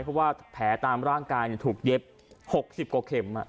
เพราะว่าแผลตามร่างกายถูกเย็บ๖๐กว่าเข็ม